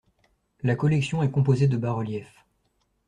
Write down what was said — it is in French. La collection est composée de bas-reliefs.